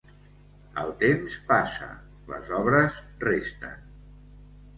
El temps passa, les obres resten.